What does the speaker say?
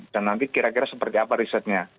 dan nanti kira kira seperti apa risetnya